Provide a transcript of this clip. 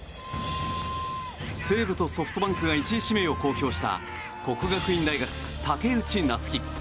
西武とソフトバンクが１位指名を公表した國學院大学・武内夏暉。